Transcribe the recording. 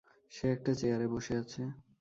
সে একটা চেয়ারে বসে আছে।